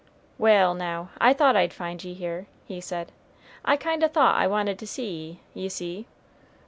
"Wal', now, I thought I'd find ye here!" he said: "I kind o' thought I wanted to see ye, ye see."